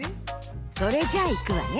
それじゃいくわね。